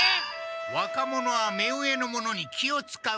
若者は目上の者に気をつかう。